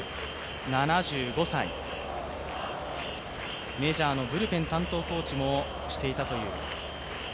７５歳、メジャーのブルペン担当コーチもしていたという。